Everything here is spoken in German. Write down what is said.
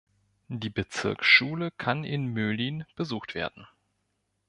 Die Bezirksschule kann in Möhlin besucht werden.